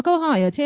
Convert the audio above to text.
của sống của